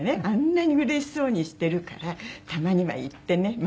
「あんなにうれしそうにしてるからたまには行ってね